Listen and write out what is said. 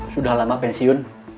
sudah lama pensiun